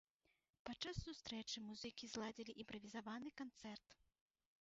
Падчас сустрэчы музыкі зладзілі імправізаваны канцэрт.